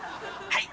はい。